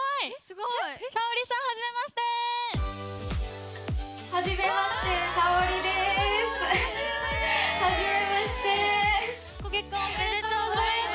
ご結婚おめでとうございます。